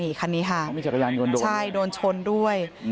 นี่คันนี้ค่ะเขามีจักรยานยนต์โดนใช่โดนชนด้วย